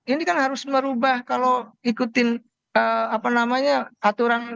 ini kan harus merubah kalau ikutin apa namanya aturan